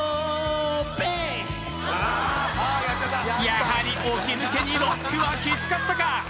やはり起き抜けにロックはきつかったか？